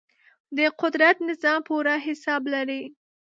د قدرت نظام پوره حساب لري.